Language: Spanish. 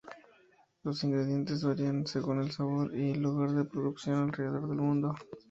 Los ingredientes varían según el sabor y el lugar de producción alrededor del mundo.